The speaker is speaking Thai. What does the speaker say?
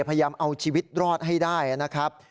พยายามเอาชีวิตรอดให้ได้นะครับ